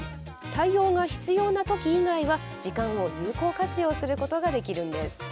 対応が必要なとき以外は時間を有効活用することができるのです。